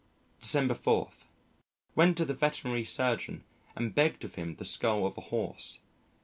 December 4. Went to the Veterinary Surgeon and begged of him the skull of a horse.